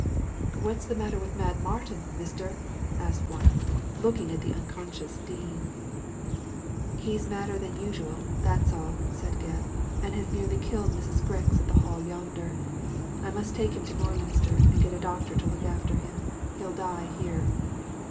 "What's the matter with Mad Martin, mister?" asked one, looking at the unconscious Dean. "He's madder than usual, that's all,*' said Gebb, " and has nearly killed Mrs. Grix at the Hall yonder. I must take him to Norminster and get a doctor to look after him : he'll die here.